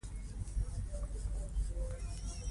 زه ډير خفه يم